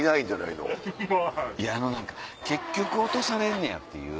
いやあの何か結局落とされんねやっていう。